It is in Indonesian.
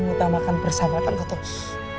dan menutamakan persahabatan katorus